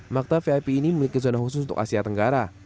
makta vip ini memiliki zona khusus untuk asia tenggara